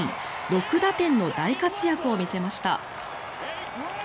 ６打点の大活躍を見せました。